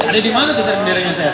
ada dimana tuh bendera nya